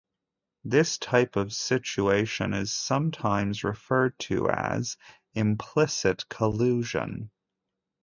This type of situation is sometimes referred to as "implicit collusion".